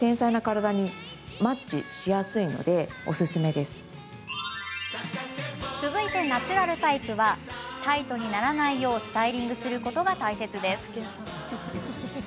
ウエーブタイプの方はナチュラルタイプはタイトにならないようスタイリングすることが大切です。